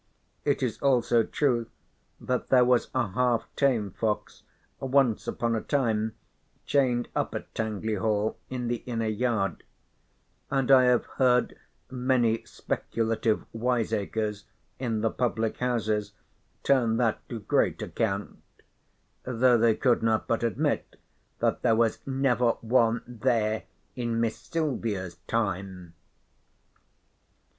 It is also true that there was a half tame fox once upon a time chained up at Tangley Hall in the inner yard, and I have heard many speculative wiseacres in the public houses turn that to great account though they could not but admit that "there was never one there in Miss Silvia's time."